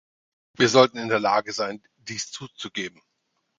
Wir sollten in der Lage sein, dies zuzugeben.